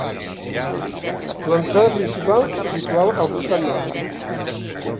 L’entrada principal se situava al costat nord.